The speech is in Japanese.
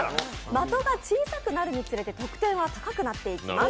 的が小さくなるにつれて得点は高くなっていきます。